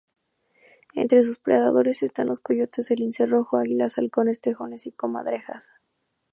Entre sus predadores están los coyotes, el lince rojo, águilas, halcones, tejones y comadrejas.